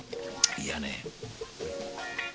いやね。